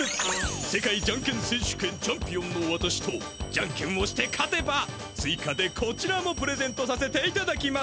世界じゃんけん選手権チャンピオンのわたしとじゃんけんをして勝てばついかでこちらもプレゼントさせていただきます。